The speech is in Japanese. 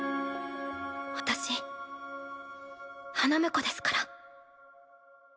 私花婿ですから。